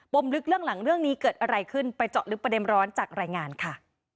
มลึกเรื่องหลังเรื่องนี้เกิดอะไรขึ้นไปเจาะลึกประเด็นร้อนจากรายงานค่ะ